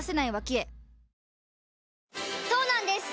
そうなんです